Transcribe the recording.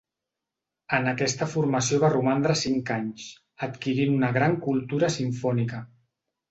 En aquesta formació va romandre cinc anys, adquirint una gran cultura simfònica.